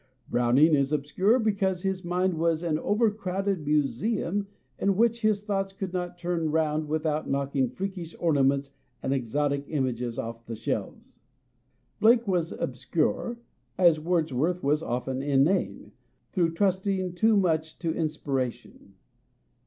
Browning is obscure because his mind was an overcrowded museum in which his thoughts could not turn round without knock ing freakish ornaments and exotic images off the shelves. Blake was obscure, as Wordsworth was often inane, through trust ing too much to inspiration.